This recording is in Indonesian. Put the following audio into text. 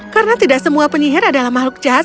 karena tidak semua penyihir adalah makhluk jahat